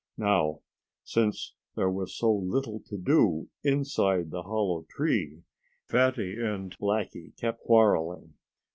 Now, since there was so little to do inside the hollow tree, Fatty and Blackie kept quarreling.